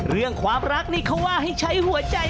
เรื่องความรักนี่เขาว่าให้ใช้หัวใจ